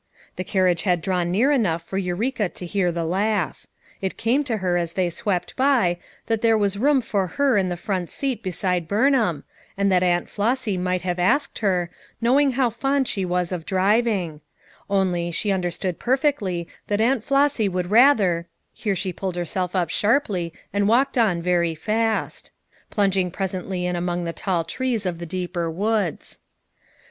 The carriage had drawn near enough for Eureka to hear the laugh. It came to her as they swept by that there was room for her on the front seat beside Burnham, and that Aunt Flossy might have asked her, knowing how fond she was of driving; only, she understood perfectly that Aunt Flossy would rather — here she pulled herself up sharply and walked on very fast; plunging presently in among the tall trees of the deeper woods.